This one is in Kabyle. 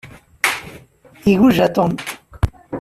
Iguja Tom.